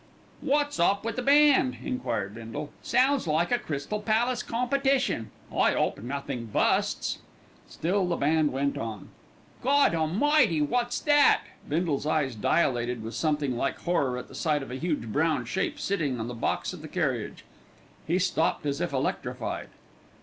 "What's up wi' the band?" enquired Bindle. "Sounds like a Crystal Palace competition; I 'ope nothink busts." Still the band went on. "Gawd Almighty! wot's that?" Bindle's eyes dilated with something like horror at the sight of a huge brown shape sitting on the box of the carriage. He stopped as if electrified.